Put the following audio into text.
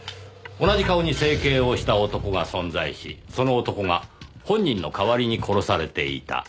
同じ顔に整形をした男が存在しその男が本人の代わりに殺されていた。